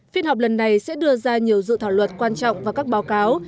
phiên họp lần này sẽ đưa ra nhiều dự thảo luật quan trọng và các báo cáo